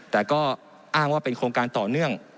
แต่ก็อ้างว่าเป็นโครงการต่อเนื่อง